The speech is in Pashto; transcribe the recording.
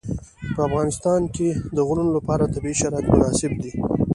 په افغانستان کې د غرونه لپاره طبیعي شرایط مناسب دي.